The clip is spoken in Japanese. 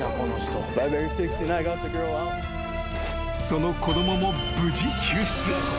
［その子供も無事］